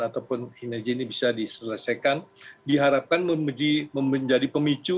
ataupun sinergi ini bisa diselesaikan diharapkan menjadi pemicu